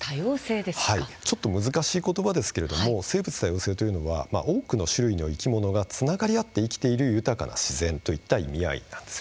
ちょっと難しい言葉ですけれども生物多様性というのは多くの種類の生き物がつながり合って生きている豊かな自然といった意味合いなんです。